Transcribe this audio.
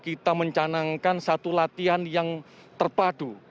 kita mencanangkan satu latihan yang terpadu